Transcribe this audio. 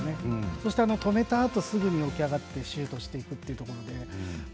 そして、止めたあとすぐに起き上がってシュートをしていくというところで。